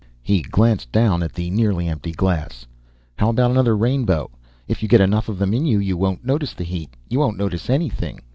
He glanced down at the nearly empty glass. "How about another rainbow? If you get enough of them in you, you won't notice the heat you won't notice anything."